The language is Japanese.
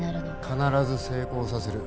必ず成功させる。